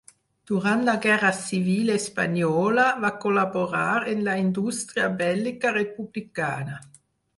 Durant la guerra civil espanyola va col·laborar en la indústria bèl·lica republicana.